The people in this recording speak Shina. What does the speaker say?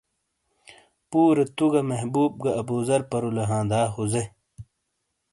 پُورے تُو گہ محبوب گہ ابوزر پَرُولے ہا دا ہوزے؟